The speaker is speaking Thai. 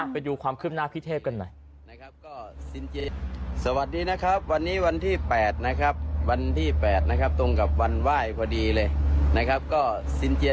ไปดูความคุ้มหน้าพิเทพกันหน่อย